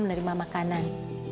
dari mama kanan